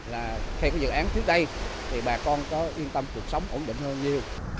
là khi có dự án trước đây thì bà con có yên tâm cuộc sống ổn định hơn nhiều